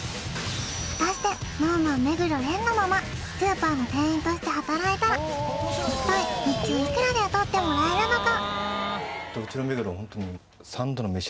果たしてＳｎｏｗＭａｎ目黒蓮のままスーパーの店員として働いたら一体日給いくらで雇ってもらえるのか？